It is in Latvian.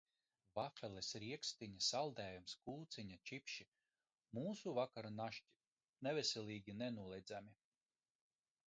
Vafeles, riekstiņi, saldējums, kūciņa, čipši - mūsu vakara našķi, neveselīgi nenoliedzami.